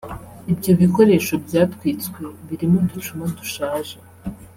Ibyo bikoresho byatwitswe birimo uducuma dushaje